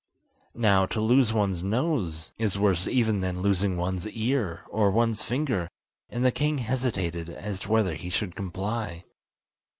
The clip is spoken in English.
Now, to lose one's nose, is worse even than losing one's ear or one's finger, and the king hesitated as to whether he should comply.